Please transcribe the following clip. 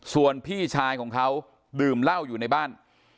ส่วนพี่ชายของเขาดื่มเหล้าอยู่ในบ้าน